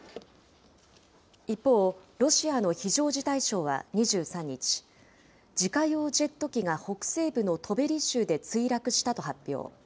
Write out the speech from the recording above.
一方、ロシアの非常事態省は２３日、自家用ジェット機が北西部のトベリ州で墜落したと発表。